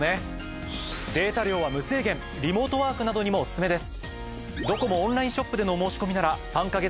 リモートワークなどにもオススメです。